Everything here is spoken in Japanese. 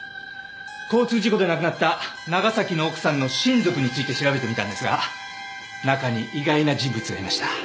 交通事故で亡くなった長崎の奥さんの親族について調べてみたんですが中に意外な人物がいました。